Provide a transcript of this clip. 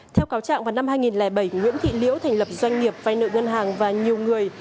theo cáo trạng vào năm hai nghìn bảy nguyễn thị liễu thành lập doanh nghiệp vay nợ ngân hàng và nhiều người